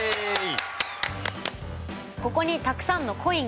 ここにたくさんのコインがあります。